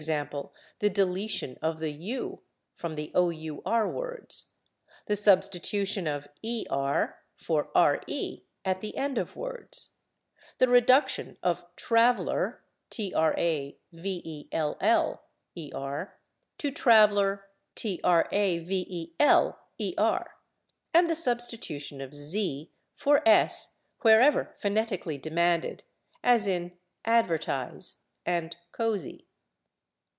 g./, the deletion of the /u/ from the / our/ words, the substitution of [Pg262] /er/ for /re/ at the end of words, the reduction of /traveller/ to /traveler/, and the substitution of /z/ for /s/ wherever phonetically demanded, as in /advertize/ and /cozy